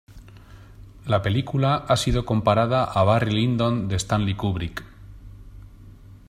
La película ha sido comparada a "Barry Lyndon", de Stanley Kubrick.